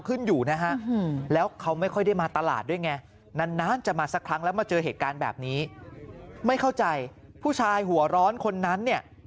เอ้ยอะไรอะเดินชกหรอเนี่ย